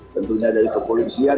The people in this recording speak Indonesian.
tentunya dari kepolisian